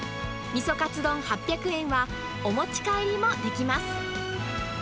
みそかつ丼８００円は、お持ち帰りもできます。